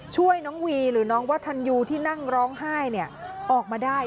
ช่วยน้องวีหรือน้องวัฒนยูที่นั่งร้องไห้ออกมาได้